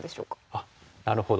あっなるほど。